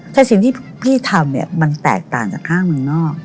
แต่สิ่งที่พี่ทำเนี่ยมันแตกต่างจากห้างเมืองนอก